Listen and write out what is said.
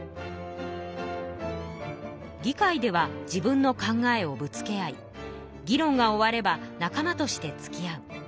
議会では自分の考えをぶつけ合い議論が終われば仲間としてつきあう。